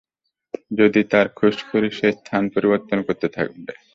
যদি তার খুঁজ করি, সে স্থান পরিবর্তন করতে থাকবে।